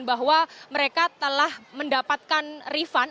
bahwa mereka telah mendapatkan refund